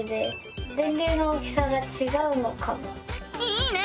いいね！